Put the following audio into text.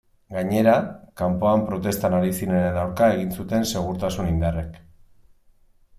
Gainera, kanpoan protestan ari zirenen aurka egin zuten segurtasun indarrek.